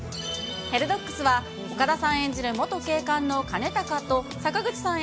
ヘルドッグスは、岡田さん演じる元警官の兼高と、坂口さん